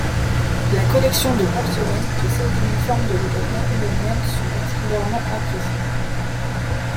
La collection de porcelaine et celle d'uniformes de l'époque napoléonienne sont particulièrement appréciées.